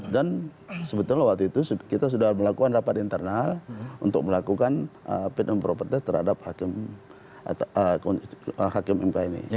dan sebetulnya waktu itu kita sudah melakukan rapat internal untuk melakukan fit and propertize terhadap hakim mk ini